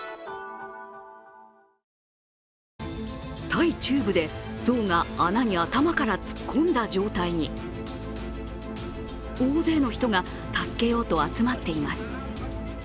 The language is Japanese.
タイ中部でゾウが穴に頭から突っ込んだ状態に大勢の人が助けようと集まっています。